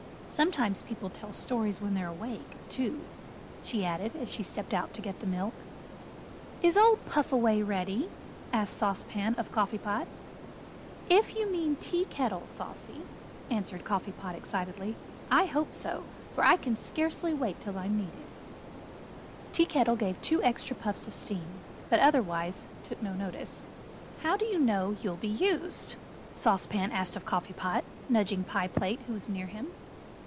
Sometimes people tell stories when they're awake, too," she added as she stepped out to get the milk. "Is 'Old Puff away' ready?" asked Sauce Pan of Coffee Pot. [Illustration: "I can scarcely wait till I'm needed"] "If you mean Tea Kettle, Saucy," answered Coffee Pot excitedly, "I hope so, for I can scarcely wait till I'm needed." Tea Kettle gave two extra puffs of steam, but otherwise took no notice. "How do you know you'll be used?" Sauce Pan asked of Coffee Pot, nudging Pie Plate who was near him.